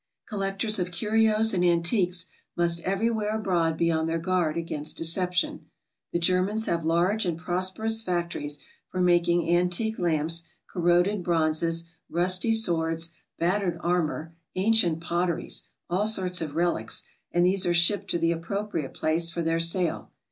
Collectors of curios and antiques must everywhere abroad be on their guard against deception. The Germans have large and prosperous factories for making antique lamps, corroded bronzes, rusty swords, battered armor, an cient potteries, all sorts of relics, and these are shipped to the appropriate place for their sale.